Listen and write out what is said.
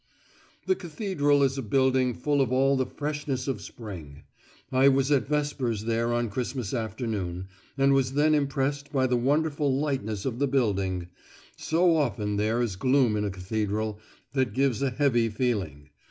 The cathedral is a building full of all the freshness of spring. I was at vespers there on Christmas afternoon, and was then impressed by the wonderful lightness of the building: so often there is gloom in a cathedral, that gives a heavy feeling.